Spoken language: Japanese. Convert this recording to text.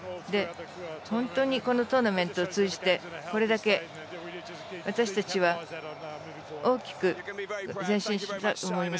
本当にこのトーナメントを通じてこれだけ私たちは大きく前進したと思います。